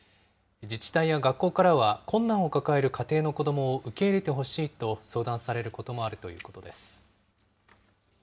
自治体や学校からは困難を抱える家庭の子どもを受け入れてほしいと相談されることもあるということです。